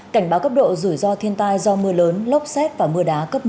cảnh báo cấp độ rủi ro thiên tai do mưa lớn lốc xét và mưa đá cấp năm